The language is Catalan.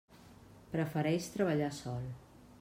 Prefereix treballar sol.